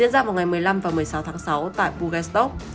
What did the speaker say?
diễn ra vào ngày một mươi năm và một mươi sáu tháng sáu tại bugastok